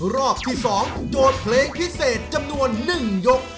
รอบที่๒โจทย์เพลงพิเศษจำนวน๑ยก